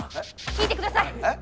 聞いてください！